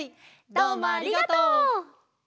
どうもありがとう！